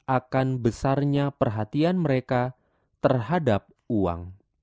akan besarnya perhatian mereka terhadap uang